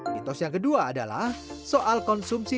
mitos yang kedua adalah soal konsumsi